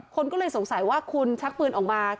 คนก็เลยสงสัยว่าคุณชักปืนออกมา